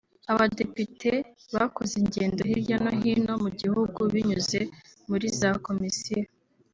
Abadepite bakoze ingendo hirya no hino mu gihugu binyuze muri za Komisiyo